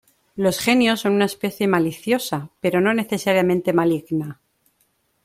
Los genios son una especie maliciosa, pero no necesariamente maligna.